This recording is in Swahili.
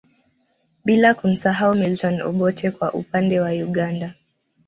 Bila kumsahau Milton Obote kwa upande wa Uganda